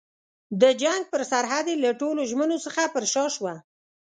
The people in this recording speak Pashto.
د جنګ پر سرحد یې له ټولو ژمنو څخه پر شا شوه.